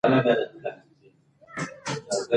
د کمیسیون غونډې ته انتظار کول ډیر وخت ونیو.